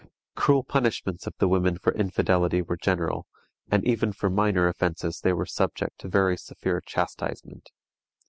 Cruel punishments of the women for infidelity were general, and even for minor offenses they were subject to very severe chastisement.